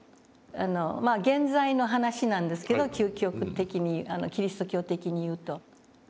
まあ原罪の話なんですけど究極的にキリスト教的に言うと。